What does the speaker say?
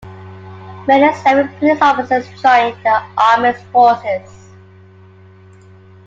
Many serving police officers joined the Armed Forces.